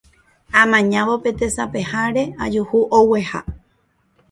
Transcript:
Amañávo pe tesapeháre ajuhu ogueha.